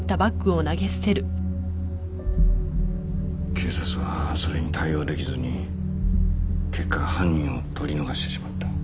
警察はそれに対応できずに結果犯人を取り逃してしまった。